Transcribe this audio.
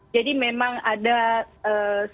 jadi memang ada sedikit